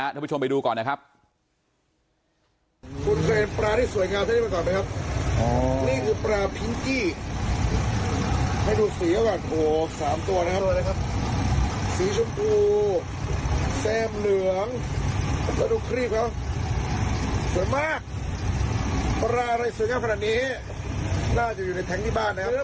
ท่านผู้ชมไปดูก่อนนะครับ